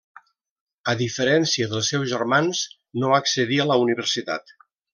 A diferència dels seus germans no accedí a la Universitat.